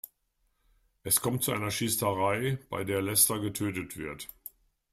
Es kommt zu einer Schießerei, bei der Lester getötet wird.